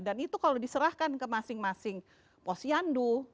dan itu kalau diserahkan ke masing masing posyandu